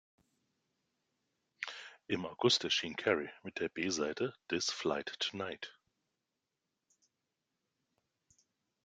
Im August erschien "Carey" mit der B-Seite "This Flight Tonight".